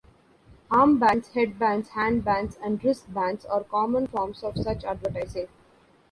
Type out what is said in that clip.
Armbands, headbands, handbands and wristbands are common forms of such advertising.